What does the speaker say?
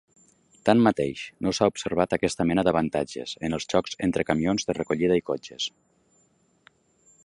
Tanmateix, no s'ha observat aquesta mena d'avantatges en els xocs entre camions de recollida i cotxes.